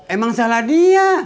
emang salah dia